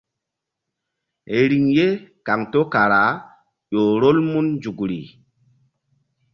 Riŋ ye kaŋto kara ƴo rol mun nzukri.